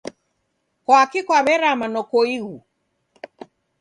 Kwaki kwaw'erama nokoighu?